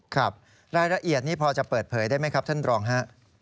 ครับรายละเอียดนี้พอจะเปิดเผยได้ไหมครับท่านรองฮะ